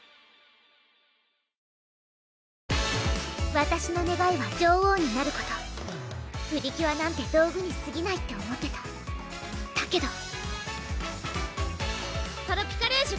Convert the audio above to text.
わたしのねがいは女王になることプリキュアなんて道具にすぎないって思ってただけどトロピカルジュ！